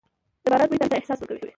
د باران بوی تازه احساس ورکوي.